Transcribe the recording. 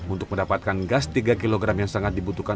untuk mendapatkan gas tiga kg yang sangat dibutuhkan